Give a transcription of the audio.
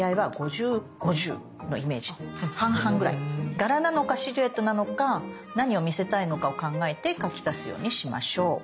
柄なのかシルエットなのか何を見せたいのかを考えて描き足すようにしましょう。